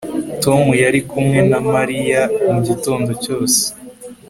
Tom yari kumwe na Mariya mugitondo cyose